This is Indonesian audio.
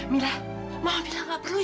mila mama bilang gak perlu ya